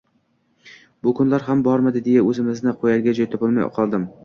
Bu kunlar ham bormidi deya o`zimni qo`yarga joy topolmay qoldim